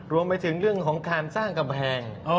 รวมไปถึงเรื่องของการสร้างกำแพง